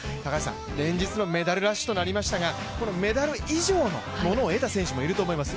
連日のメダルラッシュとなりましたがこのメダル以上のものを得た選手もいると思います。